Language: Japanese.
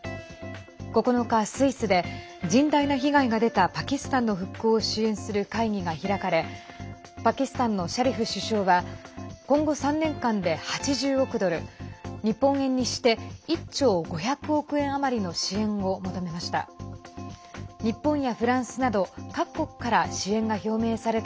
９日、スイスで甚大な被害が出たパキスタンの復興を支援する会議が開かれパキスタンのシャリフ首相は今後３年間で８０億ドル日本円にして１兆５００億円余りの支援を求めました。